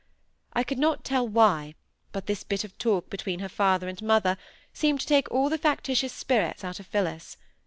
I could not tell why, but this bit of talk between her father and mother seemed to take all the factitious spirits out of Phillis.